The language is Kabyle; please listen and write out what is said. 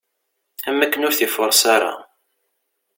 Am wakken ur t-ifures ara.